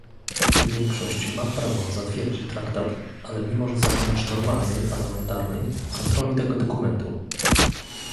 Większość ma prawo zatwierdzić Traktat, ale nie może zabronić normalnej parlamentarnej kontroli tego dokumentu